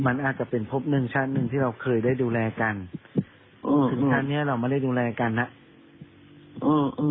มันอาจจะเป็นพบหนึ่งชาติหนึ่งที่เราเคยได้ดูแลกันถึงขั้นเนี้ยเราไม่ได้ดูแลกันอ่ะอืม